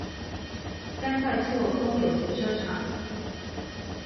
三塊厝公有停車場